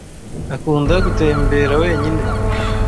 Akunda gutembera wenyine.